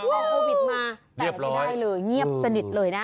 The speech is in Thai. โควิดมาแต่ไม่ได้เลยเงียบสนิทเลยนะคะ